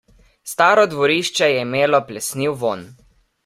Staro dvorišče je imelo plesniv vonj.